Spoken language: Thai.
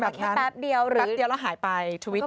แค่แป๊บเดียวหรือแป๊บเดียวแล้วหายไปทวิต